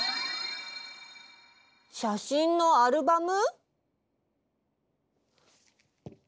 しゃしんのアルバム？